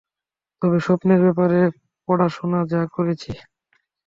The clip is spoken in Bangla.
তবে স্বপ্নের ব্যাপারে পড়াশোনা যা করেছি।